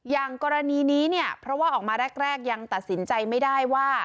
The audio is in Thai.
อย่างกรณีนี้เนี่ยเพราะว่าออกมาแรกยังตัดสินใจไม่ได้ว่า